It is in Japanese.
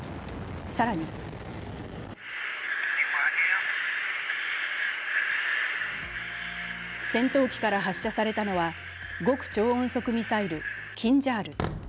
更に戦闘機から発射されたのは極超音速ミサイル・キンジャール。